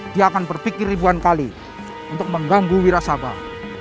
dia akan berpikir ribuan kali untuk mengganggu wirasabah